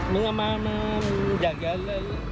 มึงเอามามาจังไง